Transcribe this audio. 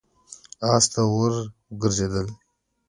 آس ته ور وګرځېد.